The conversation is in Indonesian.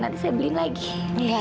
tante tidak akan meminta maaf mila